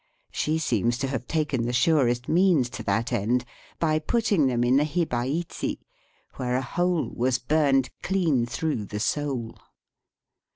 She seems to have taken the surest means to that end by putting them in the hibaichi, where a hole was burned clean through the sole.